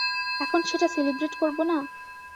এখন সেটা সেলিব্রেট করবো না?